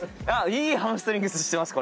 いいハムストリングスしてます